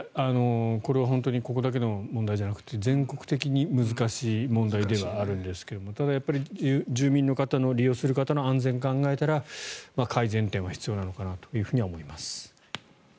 これは本当にここだけの問題ではなくて全国的に難しい問題ではあるんですけどただ、住民の方、利用する方の安全を考えたら改善点は必要なのかなというふうには思います。